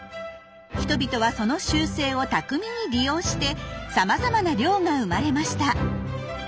人々はその習性を巧みに利用してさまざまな漁が生まれました。